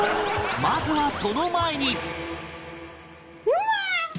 まずはその前に